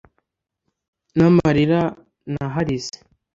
n’amarira naharize